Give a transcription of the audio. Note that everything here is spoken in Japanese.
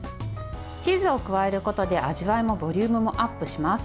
チーズを加えることで味わいもボリュームもアップします。